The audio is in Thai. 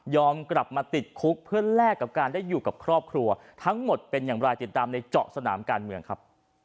กลับมาติดคุกเพื่อแลกกับการได้อยู่กับครอบครัวทั้งหมดเป็นอย่างไรติดตามในเจาะสนามการเมืองครับ